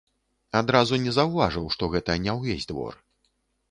Адразу не заўважыў, што гэта не ўвесь двор.